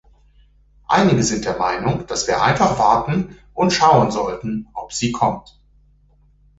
Einige sind der Meinung, dass wir einfach warten und schauen sollten, ob sie kommt.